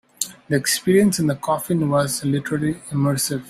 The experience in the coffin was literally immersive.